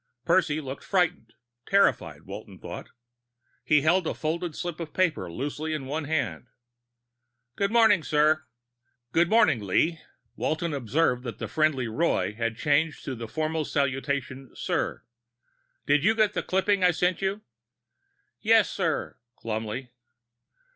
Percy looked frightened terrified, Walton thought. He held a folded slip of paper loosely in one hand. "Good morning, sir." "Good morning, Lee." Walton observed that the friendly Roy had changed to the formal salutation, sir. "Did you get the clipping I sent you?" "Yes, sir." Glumly.